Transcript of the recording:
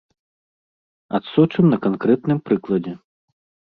Адсочым на канкрэтным прыкладзе.